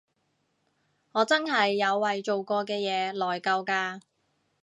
我真係有為做過嘅嘢內疚㗎